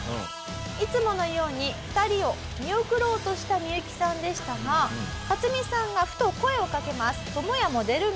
いつものように２人を見送ろうとしたミユキさんでしたがカツミさんがふと声をかけます。